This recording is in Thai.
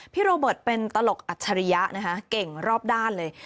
โรเบิร์ตเป็นตลกอัจฉริยะนะคะเก่งรอบด้านเลย